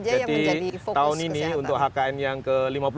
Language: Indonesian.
jadi tahun ini untuk hkn yang ke lima puluh empat